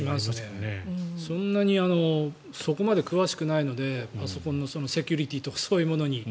そんなにそこまで詳しくないのでパソコンのセキュリティーとかそういうものに。